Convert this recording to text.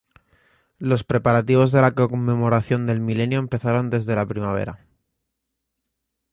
Los preparativos de la conmemoración del milenio empezaron desde la primavera.